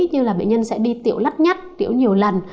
như là bệnh nhân sẽ đi tiểu lắt nhắt tiểu nhiều lần